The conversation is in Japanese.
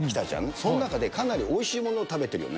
そこでかなりおいしいものを食べてるよね。